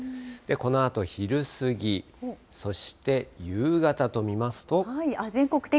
このあと昼過ぎ、そして夕方と見ますと。